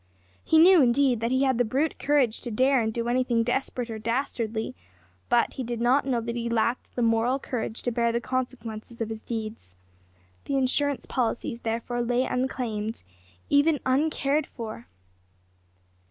He knew, indeed, that he had the brute courage to dare and do anything desperate or dastardly, but he did not know that he lacked the moral courage to bear the consequences of his deeds. The insurance policies, therefore, lay unclaimed even uncared for!